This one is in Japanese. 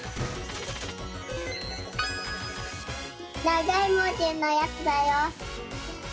ながいもじのやつだよ！